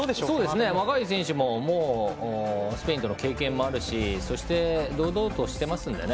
若い選手もスペインとの経験もあるしそして堂々としてますんでね